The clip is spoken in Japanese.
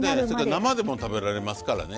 生でも食べられますからね